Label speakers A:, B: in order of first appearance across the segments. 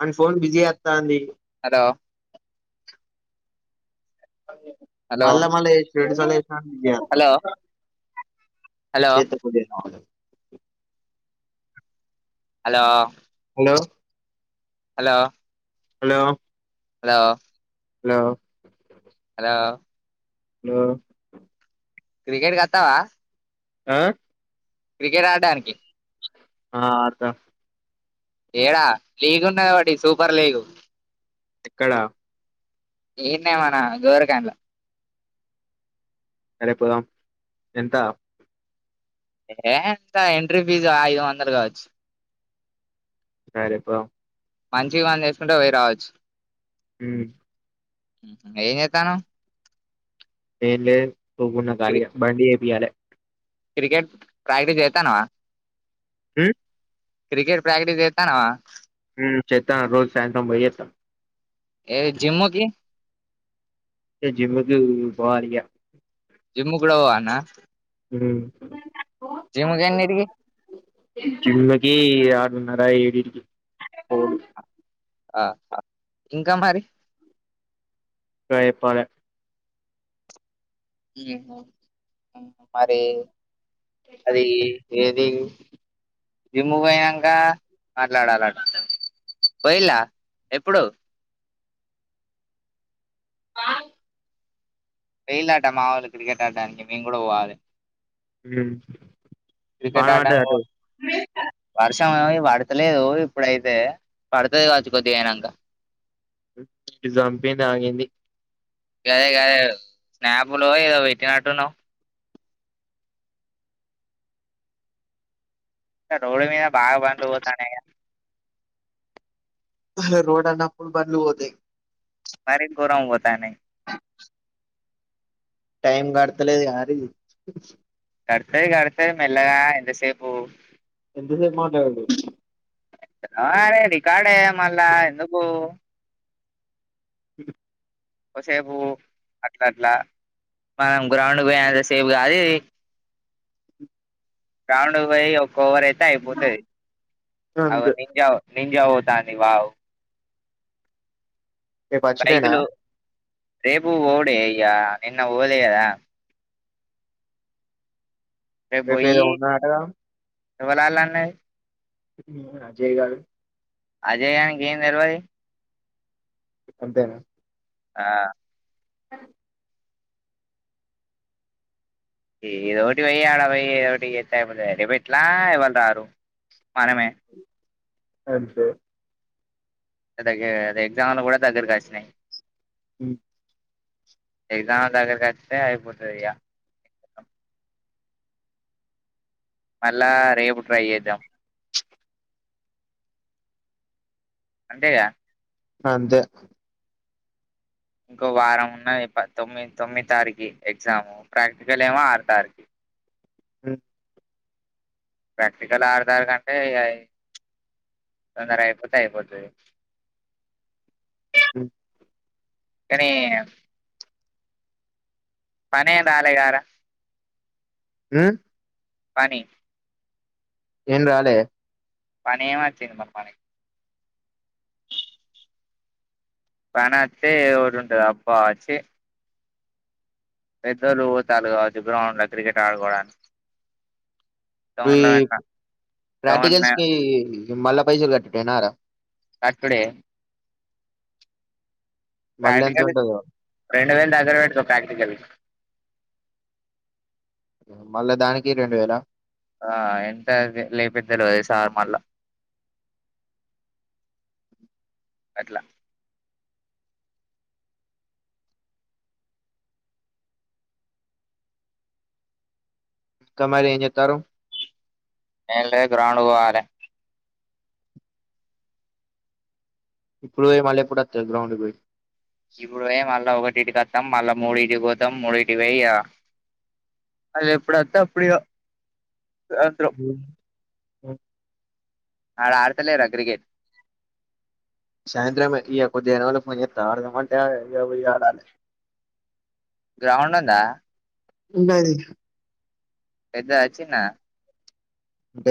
A: ఆని phone busy వత్తాంది
B: hello hello
A: మళ్ళ మళ్ళ జేసిన రెండుసార్లు జేసిన బిజీ
B: హలో
A: వత్తాంది
B: హలో
A: పొదే రావడం
B: hello
A: hello
B: hello
A: hello
B: hello
A: hello
B: hello
A: hello
B: cricket గత్తావా
A: ఆ
B: క్రికెట్ ఆడడానికి
A: ఆ ఆడతా
B: యేడా లీగ్ ఉన్నది ఒకటి సూపర్ లీగ్
A: ఎక్కడ
B: ఇడన్నే మన గోరకాంలో
A: సరేపోదాం ఎంత
B: యే ఎంత ఎంట్రీ ఫీజు ఐదు వందలు గావచ్చు
A: సరే పోదాం
B: మనిషికి వంద యేసుకుంటే పోయ్యి రావచ్చు
A: ఉమ్
B: ఉమ్ హు ఏం జేత్తానవ్
A: ఏం లే కూకున్న
B: క్రి
A: ఖాళీగా బండి జేపియాలే
B: క్రికెట్ ప్రాక్టీస్ జేత్తన్నవా
A: ఉమ్
B: క్రికెట్ ప్రాక్టీస్ జేత్తన్నవా
A: ఉమ్ చేత్తాన్నా, రోజూ సాయంత్రం పోయి జేత్తా
B: ఏ జిమ్ముకి
A: ఏ జిమ్ముకి పోవాలి ఇగ
B: జిమ్ము గూడా పోవాల్నా
A: ఉమ్
B: జిమ గెన్నింటికి
A: జిమ్ముకి ఆరున్నర ఏడిటికి
B: ఆ ఆ ఇంకా మరి
A: ఇంకా చెప్పాలే
B: మరి అది ఏది జిమ్ము పోయినంక మాట్లాడాలట పోయిల్ల ఎప్పుడు
A: ఆ
B: పోయిలట మా వాళ్ళు క్రికెట్ ఆడడానికి మేము కూడా పోవాలి
A: ఉమ్ వాన
B: క్రికెట్
A: పడ్డదా
B: ఆడానికి
A: అటు
B: వర్షం ఏ పడతలేదు ఇప్పుడైతే పడుతది కావచ్చు కొద్దిగా అయినంక
A: ఇది చంపింది ఆగింది
B: ఇదే గదే స్నాప్ లో ఏదో పెట్టినట్టున్నావు రోడ్డు మీద బాగా బండ్లు పోతాన్నయ్
A: రోడ్ అన్నప్పుడు బండ్లు పోతాయి
B: మరి గోరంగా పోతున్నాయి
A: ఆ టైం గడుత్తలేదు కదా రా ఇది
B: గడ్తగడ్తది మెల్లగా ఎంతసేపు
A: ఎంతసేపు మాట్లాడిండు
B: ఆ రికార్డే మళ్ళ ఎందుకు
A: హ
B: కోసేపు అట్లా అట్లా మనం గ్రౌండ్కి పోయినంత సేపు కాదుది రౌండ్ పోయి ఒక ఓవర్ అయితే అయిపోతది అగో
A: అంతే
B: నిజాం నింజావుతాని వా
A: రేపు అచ్చుడేనా
B: బైకులు రేపు పోవుడే అయ్యా నిన్న ఓలే కదా రేపు పోయి
A: ఏదో ఉన్నాడటగా
B: ఎవలాల్లు అన్నది
A: అజయ్ గాడ్
B: అజయ్ గానికి ఏం తెలవాది
A: అంతేనా
B: ఆ
A: ఆ
B: ఏదోటి పోయ్యి ఆడ పోయ్య ఏదోటి చేస్తే అయిపోతది రేపు ఎట్లా ఎవ్వలు రారు మనమే
A: అంతే
B: దగ్గర అ ఎగ్జామ్లు కూడా దగ్గరకు వచ్చినయ్
A: ఉ
B: ఎగ్జామ్లు దగ్గరకి అచ్చినయ్ అయిపోతది మళ్ళా రేపు ట్రై చేద్దాం అంతేగా
A: అంతే
B: ఇంకో వారం ఉన్న తొమ్మిది తొమ్మిది తారీకి ఎగ్జాము ప్రాక్టికల్ ఏమో ఆరు తారీకు
A: హ
B: ప్రాక్టికల్ ఆరు తారీకు అంటే తొందర అయిపోతే అయిపోతది
A: అ
B: కానీ పనే రాలేదు గారా
A: మ్మ్
B: పని
A: ఏం రాలే
B: పని ఏం అచ్చింది మరి పనికి పానా చి ఒక్కటి ఉంటది అబ్బా చి పెద్దోళ్ళు పోతాన్లు కావచ్చు గ్రౌండ్లో క్రికెట్ ఆడుకోవడాన్
A: పోయి
B: టౌన్
A: ప్రాక్టికల్స్ కి మల్ల పైసలు కట్టుటేనేరా
B: కట్టుడే
A: మళ్ళీ ఎంత
B: ప్రాక్టికల్
A: ఉంటదో
B: రెండు వేలు దగ్గర పెట్టుకో ప్రాక్టికల్
A: మళ్ళా దానికి రెండు వేళ్ల
B: ఆ ఎంత లేపిద్ద్ తెలవదు సార్ మళ్ళా అట్ల
A: ఇంకా మరి ఏమి చేస్తారు
B: ఏమి లే గ్రౌండ్ కి పోవాలే
A: ఇప్పుడు పోయి మళ్లీ ఎప్పుడు వస్తావ్ గ్రౌండ్ కి పోయి
B: ఇప్పుడు పోయి మళ్ళా ఒక్కటి ఇంటికి వత్తం మళ్ళ మూడు ఇంటికి పోతాం మూడు ఇంటికి ఇగ అది ఎప్పుడొస్తే అప్పుడు ఇగ
A: ఉ
B: ఆడ ఆడతలేరా క్రికెట్
A: సాయంత్రం మే ఇయ్య కొద్ది వేరే వాళ్ళ కి ఫోన్ చేస్తా ఆడదామంటే ఆడ [unintelligible]
B: గ్రౌండ్ ఉందా
A: ఉన్నది
B: పెద్ద చిన్న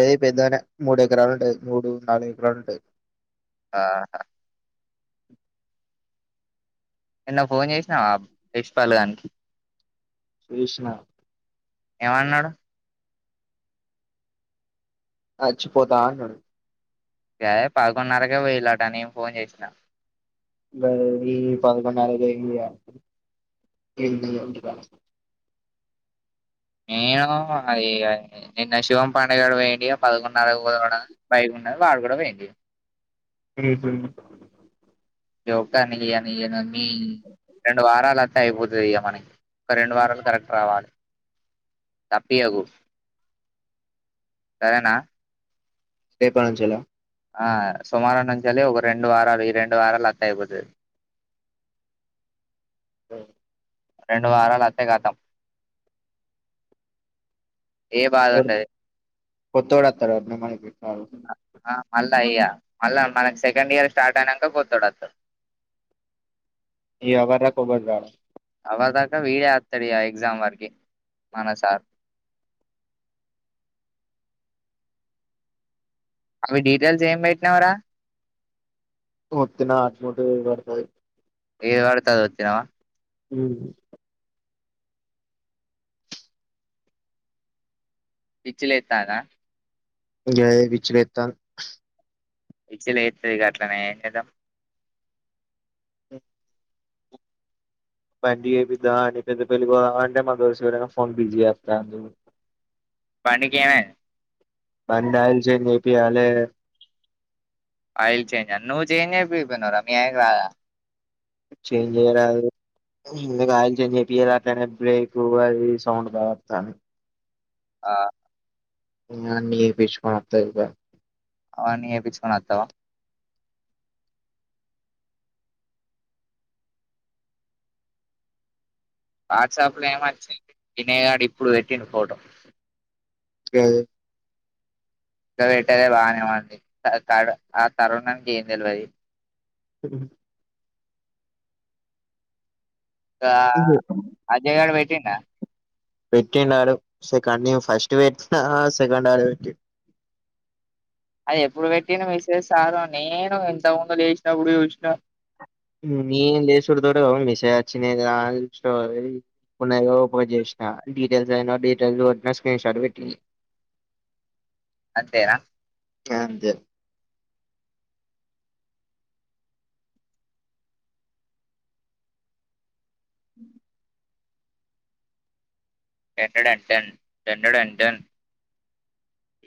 A: ఏయ్ పెద్దగానే మూడు ఎకరాలు ఉంటది మూడు నాలుగు ఎకరాలు ఉంటది
B: ఆహా నిన్న ఫోన్ చేసినావా దేశ్పాల్ గానికి
A: ఏశినా
B: ఏమన్నాడు
A: అచ్చి పోతా అన్నాడు
B: ఐ పదకొన్నరకే పోయి ఇల్లు ఆట నేను ఫోన్ చేసినా
A: అవి పదకొన్నరకి పోయింది [unintelligible]
B: ఏమో ఆది ఇగ నిన్న శివం పాండే గాడు పోయిండాడు ఇగ పదకొన్నరకి [unintelligible] పై. వాడు కూడా పోయిండు ఇగ
A: ఉహు
B: [unintelligible] రెండు వారాల టై పోతాది ఇగ మనకి ఇంకా రెండు వారాలు కరెక్ట్ రావాలి తప్పియ్యకు సరేనా
A: దే పాంచాలా
B: ఆ సుమారును చలి ఒక్క రెండు వారాలు ఇ రెండు వారాల అట్టే అయిపోతాది రెండు వారాలు అంతే కతం ఏ బాధ
A: కోడు
B: ఉండది
A: కొత్తోడు ఓత్తాడంటనే మనకి [unintelligible]
B: ఆ మళ్ళ ఈగ మళ్ళ మనకి సెకండ్ ఇయర్ స్టార్ట్ అయినంక కొత్తోడు వస్తాడు
A: ఈ ఎవర్రా [unintelligible]
B: ఆవ దాకా విడే వస్తాడు ఇగ ఎగ్జామ్ వాటికి మన సార్ అవి డీటెయిల్స్ ఏమి పెట్టినావ్ రా
A: వొక్తినా వాణి ఫోటో నే పడతాది
B: ఏది పడితే అది వోత్తినావా
A: ఉ
B: పిచ్చి లేతదా
A: ఇ పిచ్చి లేత్తన్
B: పిచ్చి లేతది అట్లానే ఇంకా ఏంచేస్తాం
A: బండి చేపిద్దామని పెద్దపెళ్లి పోదామని మా దోస్తుగా నీ ఫోన్ బిజీ అత్తంది
B: బండికి ఏమైంది
A: బండి ఆయిల్ చేంజ్ చేపియాలి
B: ఆయిల్ చేంజ్ నువ్వు చేంజ్ చేపియదా నీ అయ్యకి రాదా
A: చేంజ్ చేయరాదు ముందుగా ఆయిల్చేనేజ్ చేపించాలి అట్లానే బ్రేక్ అది సౌండ్ బాగా అత్తంది
B: ఆ
A: ఇగా అన్ని చెపించకున్ని అత్తది ఇగా
B: అవన్నీ చేపించుకుని అతావ వాట్సాప్ లో ఏమచ్చింది వినాయగాడు ఇప్పుడు పెట్టింది ఫోటో
A: జే
B: ఇ పెట్టేద బాగానే ఉంది ఆ కోరనకి ఏం తెలివది
A: హ్
B: ఆ
A: [unintelligible]
B: అజయగాడు పెట్టిండా
A: పెట్టినాడు సెకండ్ ఇయర్ ఫస్ట్ పెట్టిన సెకండ్ వాడు
B: అది ఎప్పుడు పెట్టిడు మెస్సేజ్ స్తారు నేను ఇంత ముందు లేసినాప్పుడు చూసినా
A: మీ లేషడు తోటు వ్ మెస్సేజ్ అచ్చిది ఏందిరా [unintelligible] ఉన్నాయి ఓపెన్ చేన డీటెయిల్స్ అయి డీటెయిల్స్ కొట్టి స్క్రీన్షట్ పెట్టింది
B: అంతేనా
A: అంతే
B: అ డేటన్ టెన్ డేటన్ టెన్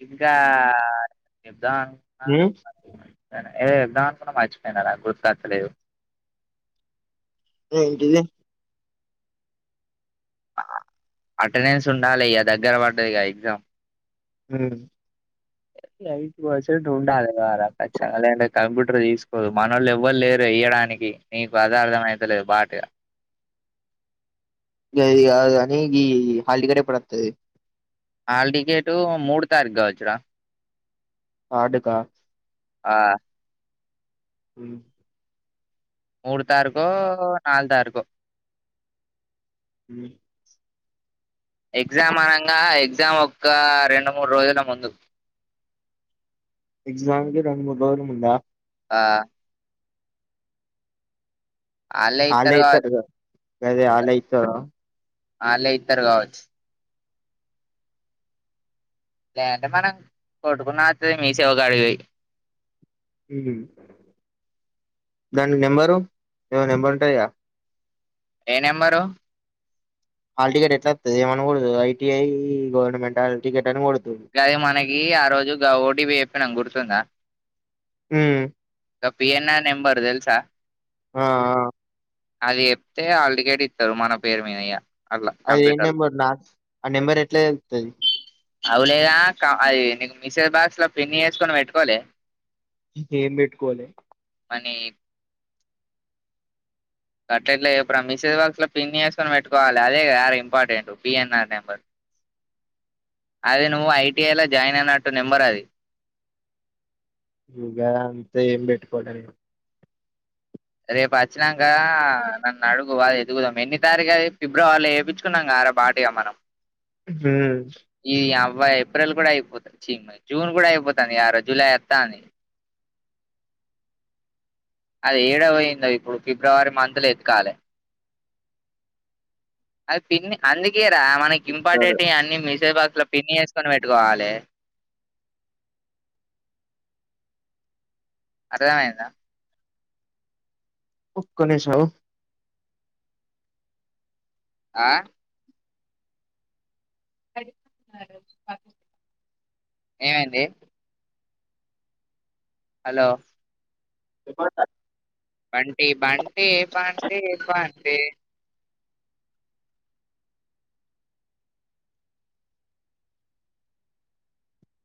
B: ఇంకా చెప్ద్దాం అ
A: ఉమ్
B: తెతూనే అచ్చాయానా మర్చిపోయినారా గుర్తుకచ్చలేదు
A: [unintelligible]
B: అటెండెన్స్ ఉండాలియా దగ్గర పడ్డది ఇ ఎగ్జామ్
A: ఉ
B: ఎయిట్ పర్సెంట్ ఉండాలి కా అక్కలేంటే కంప్యూటర్ తీసుకోదు మన వాళ్ళు ఎవ్వరు లేరు ఏయ్యడానికి నీకు అదే అధంమయితులేదు బాటగా
A: గది కాదు కాని ఈ హల్లటికెట్ ఎప్పుడు అత్తది
B: హల్లటికెట్ మూడు తారీఖు కావచ్చురా
A: థర్డ్
B: ఆ
A: ఉ
B: మూడు తారీఖు నాలుగు తారీఖు
A: ఉ
B: ఎగ్జామ్ అనగా ఎగ్జామ్ ఒక రెండు మూడు రోజుల ముందు
A: ఎగ్జామ్ కి రెండు మూడు రోజుల ముందా
B: ఆ ఆళ్ళే
A: అల్లే
B: ఇత్తరు కావచ్చు
A: ఇత్తరూ గా గదే అల్లే ఇత్తరు.
B: అల్లె ఇత్తరు కావచ్చు. లేదంటే మనం కొట్టుకున్న అత్తది మీసేవ కాడికి పోయి.
A: హుహు దాని నెంబరు ఏమో నెంబరు ఉంటాది గా.
B: ఏ నెంబరు.
A: హల్ టికెట్ ఎట్లా అత్తది ఏమని కొడతావ్ ఐటిఐ గవర్నమెంట్ హల్ టికెట్ అని కొడతావ్.
B: గాదె మనకి ఆ రోజు గా ఓటిపి చెప్పినామ్ గుర్తుందా.
A: హ్మ్.
B: గా పిఎన్ఆర్ నెంబర్ తెలుసా‌.
A: ఆ. ఆ!
B: అది చెప్తే హల్ టికెట్ ఇత్తరు మన పేరు మీద ఇగ. అట్లా
A: అది ఏ
B: కంప్యూటర్ లో
A: నెంబర్ నా ఆ నెంబర్ ఎట్లా తెలుత్తది.
B: అవ్వులే గా కా అది నీకు మెసేజ్ బాక్స్లో ఫిన్ చేసుకొని పెట్టుకోలే.
A: ఏమ్ పెట్టుకోలే.
B: అని. గట్ల ఎట్లా చెప్పురా మిస్సేస్ బాక్లో పిన్ చేసుకొని పెట్టుకోవాలి అదే కాదార ఇంపార్టెంట్ పిఎన్ఆర్ నెంబర్. అది నువ్వు ఐటిఐలో జాయిన్ అయినట్టు నెంబర్ అది.
A: గదంతా ఇక ఏం పెట్టుకోలేదు.
B: రేపు వచ్చినాక నన్ను అడుగు అది ఎతుకుదాం ఎన్ని తారీఖు అది ఫిబ్రవరిల చేపిచ్చు. కున్నాం గాదార బాటియ మనం.
A: హ్మ్.
B: ఇ అవ్వ ఏప్రిల్ కూడా అయిపోతుంది చి జూన్ కూడా అయిపోతాంది కదరా జులై అత్తాంది. అది ఏడ పోయిందో ఇప్పుడు ఫిబ్రవరి మంత్ లో ఎతకాలే. అది పిన్నె అందుకేరా మనకి
A: ఎత్తుకోలే.
B: ఇంపార్టెంట్ అన్ని మెసేజ్ బాక్స్ లో పిన్ చేసుకొని పెట్టుకోవాలే. అర్థమైందా.
A: ఒక్క నిమిషం అగు.
B: ఆ.
A: అ
B: ఏమయ్యింది. హలో.
A: ఇనబడుతాంది.
B: బంటీ బంటీ బంటీ బంటీ.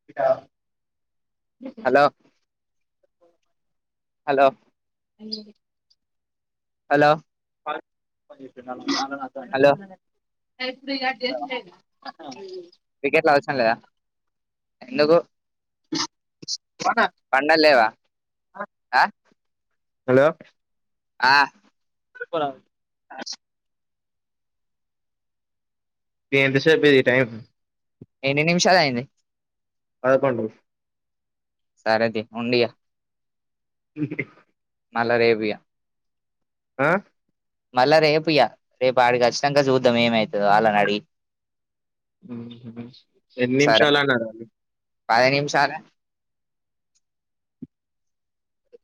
A: ఈటా హు
B: లో. హలో.
A: హ్మ్
B: హలో.
A: ప చూడంగానే నాకు అర్థమైంది.
B: హలో.
A: రేపు రికార్డు చేసి పెట్టిన.
B: వికెట్లు అవసరం లేదా ఎందుకు.
A: ఓ అన్నా.
B: మండలేవా.
A: హలో.
B: ఆ.
A: [inaudible] ఏంత సేపు ఇది టైం
B: ఎన్ని నిమిషాలు అయింది
A: పదకొండు
B: సరే తియి ఉండు ఇగ
A: [inaudible]
B: మల్ల రేపిగా
A: ఆ
B: మళ్ళ రేపు ఇగ రేపు ఆడికి వచ్చినంక చూద్దాం ఏమైతదో ఆళ్ళని అడిగి
A: మ్మ్ హు ఎన్ని
B: సరే
A: నిమిషాలు అన్నారు ఆళ్ళు
B: పది నిమిషాలే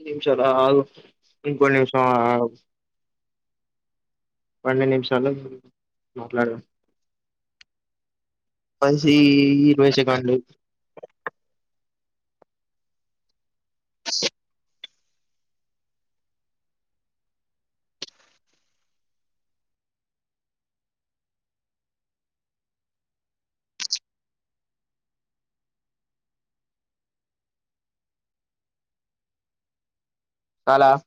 A: నిమిషాలు ఆగు ఇంకో నిమిషం ఆగు ఆగు రెండు నిమిషాలు మాట్లాడు పైసి ఇరవై సెకండ్లు [inaudible] చాలా